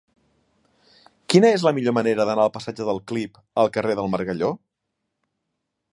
Quina és la millor manera d'anar del passatge de Clip al carrer del Margalló?